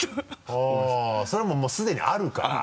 はぁそれもうすでにあるから。